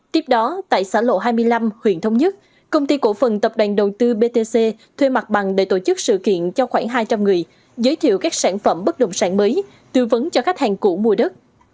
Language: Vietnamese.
tiếp đó tại xã lộ hai mươi năm huyện thống nhất công ty cổ phần tập đoàn đầu tư btc thuê mặt bằng để tổ chức sự kiện cho khoảng hai trăm linh người giới thiệu các sản phẩm bất động sản mới tư vấn cho khách hàng cũ mua đất